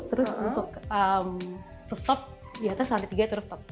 terus untuk rooftop di atas lantai tiga itu rooftop